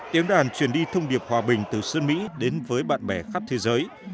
tiếng đàn truyền đi thông điệp hòa bình từ sơn mỹ đến với bạn bè khắp thế giới